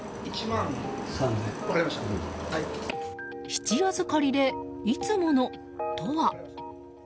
質預かりでいつものとは？